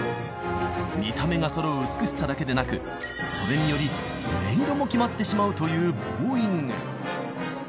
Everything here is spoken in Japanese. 見た目がそろう美しさだけでなくそれにより音色も決まってしまうというボウイング。